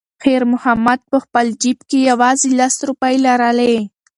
خیر محمد په خپل جېب کې یوازې لس روپۍ لرلې.